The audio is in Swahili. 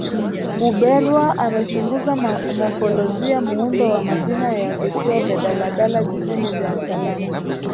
Buberwa amechunguza mofolojia muundo wa majina ya vituo vya daladala jijini Dar es Salaam